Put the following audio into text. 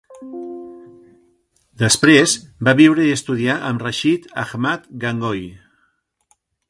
Després, va viure i estudiar amb Rashid Ahmad Gangohi.